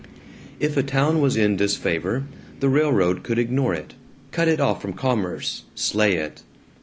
If a town was in disfavor, the railroad could ignore it, cut it off from commerce, slay it.